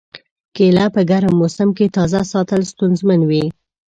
کېله په ګرم موسم کې تازه ساتل ستونزمن وي.